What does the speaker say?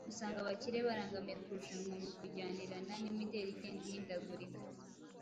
Usanga abakire barangamiye kurushanwa mu kujyanirana n’imideri igenda ihindagurika